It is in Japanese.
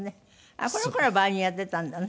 あっこの頃はヴァイオリンをやっていたんだね。